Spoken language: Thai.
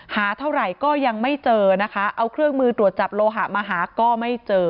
หาเท่าไหร่ก็ยังไม่เจอนะคะเอาเครื่องมือตรวจจับโลหะมาหาก็ไม่เจอ